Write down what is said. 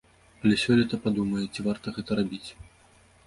Але сёлета падумае, ці варта гэта рабіць.